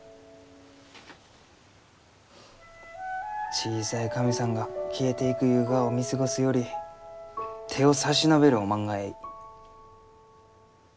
小さい神さんが消えていくゆうがを見過ごすより手を差し伸べるおまんがえい。